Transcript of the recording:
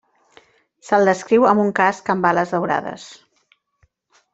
Se'l descriu amb un casc amb ales daurades.